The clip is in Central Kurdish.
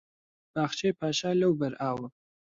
باخچەی پاشا لەوبەر ئاوە